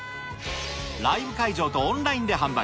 ライブ会場とオンラインで販売。